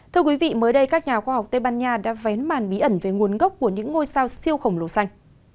thưa quý vị mới đây các nhà khoa học tây ban nha đã vén màn bí ẩn về nguồn gốc của những ngôi sao siêu khổng lồ xanh